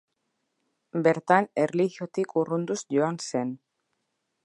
Bertan erlijiotik urrunduz joan zen.